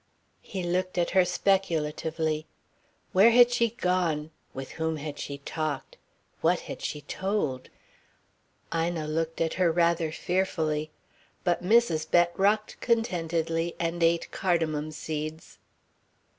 He looked at her speculatively. Where had she gone, with whom had she talked, what had she told? Ina looked at her rather fearfully. But Mrs. Bett rocked contentedly and ate cardamom seeds.